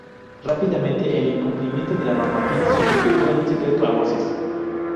Rápidamente, el incumplimiento de la normativa se convirtió en un secreto a voces.